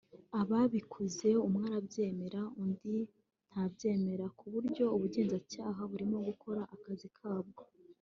ababikoze umwe arabyemera undi ntabyemera ku buryo ubugenzacyaha burimo gukora akazi kabwo